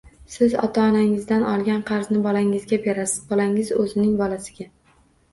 Siz ota-onangizdan olgan qarzni bolangizga berasiz. Bolangiz o’zining bolasiga…